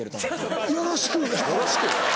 よろしく！